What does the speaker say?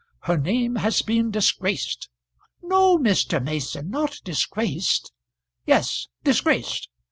Her name has been disgraced " "No, Mr. Mason; not disgraced." "Yes; disgraced.